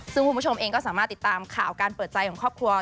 ซึ่งคุณผู้ชมเองก็สามารถติดตามข่าวการเปิดใจของครอบครัว